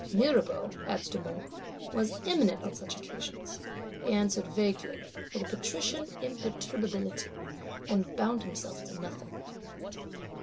Mirabeau, adds Dumont, was eminent on such occasions: he answered vaguely, with a Patrician imperturbability, and bound himself to nothing.